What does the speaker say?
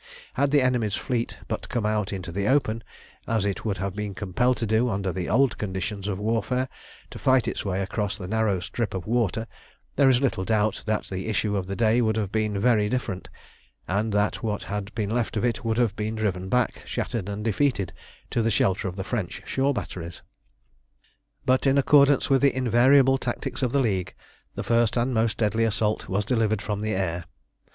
Had the enemy's fleet but come out into the open, as it would have been compelled to do under the old conditions of warfare, to fight its way across the narrow strip of water, there is little doubt but that the issue of the day would have been very different, and that what had been left of it would have been driven back, shattered and defeated, to the shelter of the French shore batteries. But, in accordance with the invariable tactics of the League, the first and most deadly assault was delivered from the air.